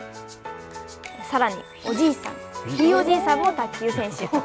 さらにおじいさん、ひいおじいさんも卓球選手。